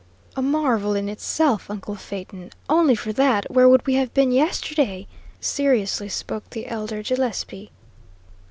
"A marvel in itself, uncle Phaeton. Only for that, where would we have been, yesterday?" seriously spoke the elder Gillespie.